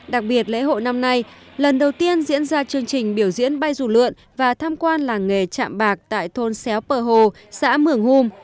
đặc biệt lễ hội năm nay lần đầu tiên diễn ra chương trình biểu diễn bay rủ lượn và tham quan làng nghề chạm bạc tại thôn xéo pờ hồ xã mường hùng